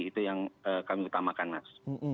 itu yang kami utamakan mas